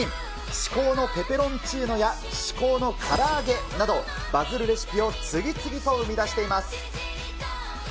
至高のペペロンチーノや、至高の唐揚げなど、バズるレシピを次々と生み出しています。